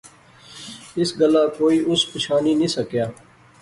اس گلاہ کوئی اس پچھانی نی سکیا